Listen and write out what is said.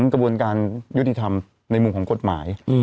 กระบวนการยุติธรรมในมุมของกฎหมาย